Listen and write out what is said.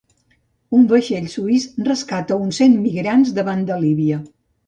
Un vaixell suís rescata uns cent migrants davant de Líbia.